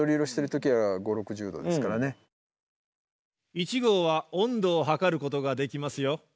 １号は温度を測ることができますよ。